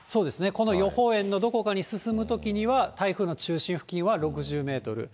この予報円のどこかに進むときには、台風の中心付近は６０メートル。